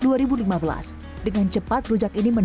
dengan cepat rujak ini mendapatkan keuntungan